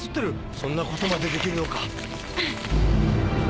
そんなことまでできるのか。